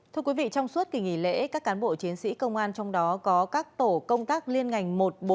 trong suốt kỳ nghỉ lễ các cán bộ chiến sĩ công an trong đó có các tổ công tác liên ngành một trăm bốn mươi một